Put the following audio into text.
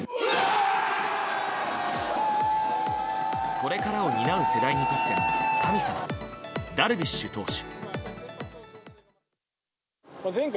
これからを担う世代にとっての神様ダルビッシュ投手。